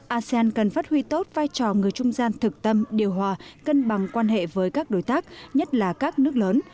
asean cần phát huy tốt vai trò người trung gian thực tâm điều hòa cân bằng quan hệ với các đối tác nhất là các nước lớn